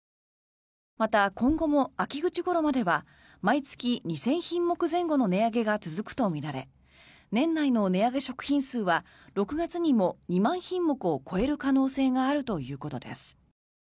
また、今後も秋口ごろまでは毎月２０００品目前後の値上げが続くとみられ年内の値上げ食品数は６月にも２万品目を超える可能性があるということです。